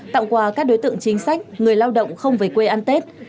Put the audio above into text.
tặng quà các đối tượng chính sách người lao động không về quê ăn tết